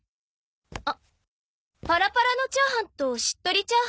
あっパラパラのチャーハンとしっとりチャーハン